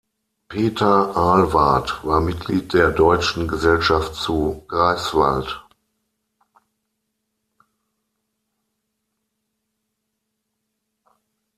Peter Ahlwardt war Mitglied der Deutschen Gesellschaft zu Greifswald.